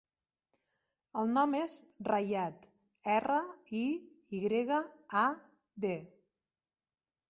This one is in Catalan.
El nom és Riyad: erra, i, i grega, a, de.